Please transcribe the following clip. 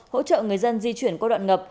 hỗ trợ người dân di chuyển qua đoạn ngập